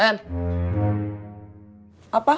disuruh nelfon malah masuk